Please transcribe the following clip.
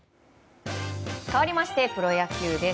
かわりましてプロ野球です。